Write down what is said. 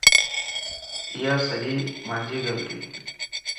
ايا سڄي مانجي غلطيَ